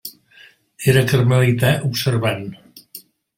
Era carmelità observant.